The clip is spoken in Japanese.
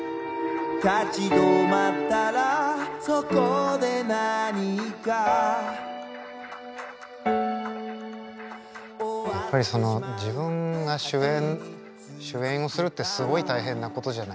立ち止まったらそこで何かやっぱりその自分が主演をするってすごい大変なことじゃない。